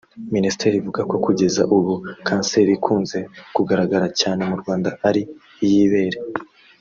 Minisante ivuga ko kugeza ubu kanseri ikunze kugaragara cyane mu Rwanda ari iy’ibere